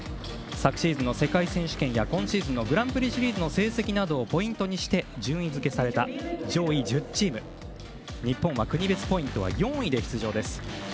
昨シーズンの世界選手権や今シーズンのグランプリシリーズの成績などをポイントにして順位付けされた上位１０チーム日本は国別ポイントは４位で出場。